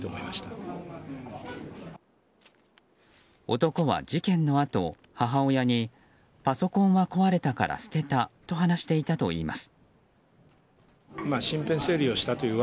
男は事件のあと、母親にパソコンは壊れたから捨てたと話していたといいます。